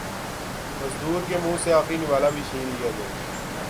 مزدور کے منہ سے آخری نوالہ بھی چھین لیا جائے